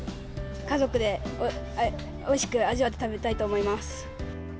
家族でおいしく味わって食べたいと思います。